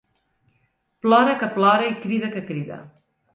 Plora que plora i crida que crida